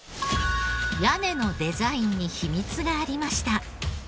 屋根のデザインに秘密がありました。